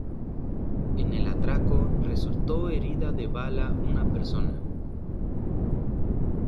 En el atraco resultó herida de bala una persona.